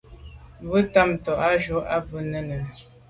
Bo tamtô à jù à b’a nunenùne.